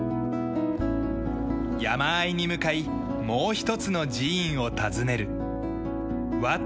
山あいに向かいもう一つの寺院を訪ねる。